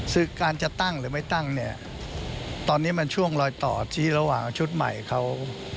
คือการจะตั้งหรือไม่ตั้งเนี่ยตอนนี้มันช่วงลอยต่อที่ระหว่างชุดใหม่เขา